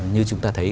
như chúng ta thấy